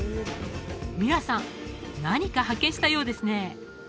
ミラさん何か発見したようですね